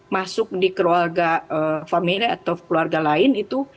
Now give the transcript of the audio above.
masuk di keluarga family atau keluarga lain itu